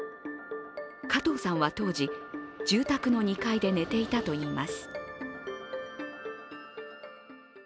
加藤さんは当時、住宅の２階で寝ていたといいます。